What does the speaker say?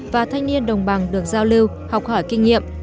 và thanh niên đồng bằng được giao lưu học hỏi kinh nghiệm